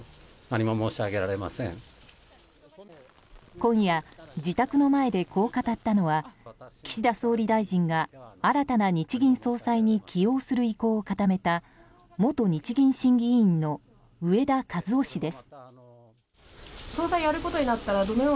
今夜、自宅の前でこう語ったのは岸田総理大臣が新たな日銀総裁に起用する意向を固めた元日銀審議委員の植田和男氏です。